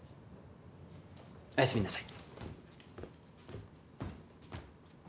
おやすみなさい。